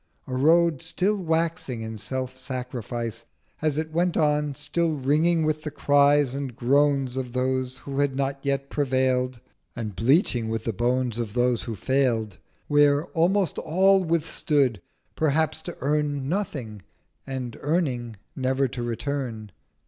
1140 A Road still waxing in Self sacrifice As it went on: still ringing with the Cries And Groans of Those who had not yet prevail'd, And bleaching with the Bones of those who fail'd: Where, almost all withstood, perhaps to earn Nothing: and, earning, never to return.